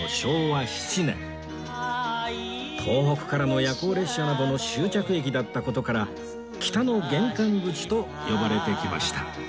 東北からの夜行列車などの終着駅だった事から北の玄関口と呼ばれてきました